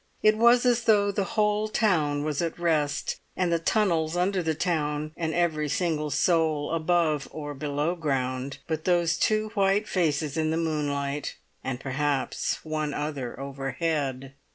It was as though the whole town was at rest, and the tunnels under the town, and every single soul above or below ground, but those two white faces in the moonlight, and perhaps one other overhead.